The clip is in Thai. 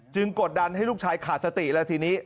กดดันให้ลูกชายขาดสติแล้วทีนี้